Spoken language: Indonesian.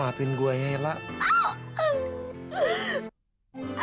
graaf ya tuh kita belijos lah